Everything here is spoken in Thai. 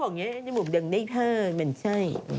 มันมีแบบ๔มิติในร้านรถเมย์